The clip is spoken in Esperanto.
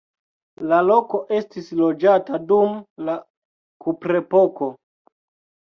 La loko estis loĝata dum la kuprepoko.